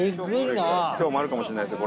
今日もあるかもしれないですよ